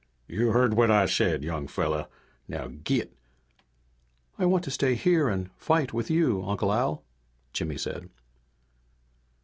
"You heard what I said, young fella. Now git!" "I want to stay here and fight with you, Uncle Al," Jimmy said.